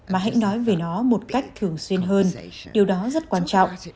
mà hãy nói về nó một cách thường xuyên hơn điều đó rất quan trọng